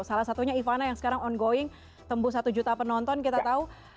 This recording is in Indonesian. salah satunya ivana yang sekarang ongoing tembus satu juta penonton kita tahu